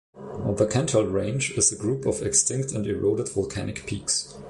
The Cantal range is a group of extinct and eroded volcanic peaks.